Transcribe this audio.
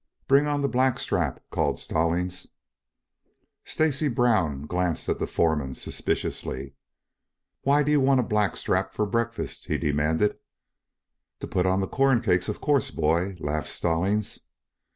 "Bring on the black strap," called Stallings. Stacy Brown glanced at the foreman suspiciously. "Why do you want a black strap for breakfast?" he demanded. "To put on the corn cakes of course, boy," laughed Stallings.